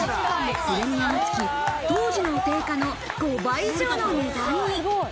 プレミアがつき、当時の定価の５倍以上の値段に。